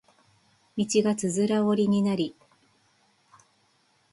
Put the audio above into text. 道がつづら折りになり